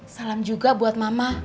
salam juga buat mama